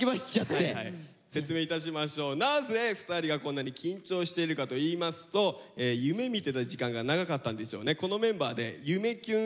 なぜ２人がこんなに緊張しているかといいますと夢みてた時間が長かったんですよね。